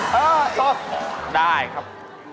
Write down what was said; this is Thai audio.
ตบได้ครับ